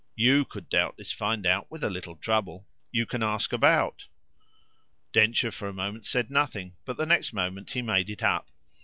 YOU could doubtless find out with a little trouble. You can ask about." Densher for a moment said nothing; but the next moment he made it up.